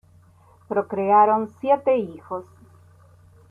Procrearon siete hijos.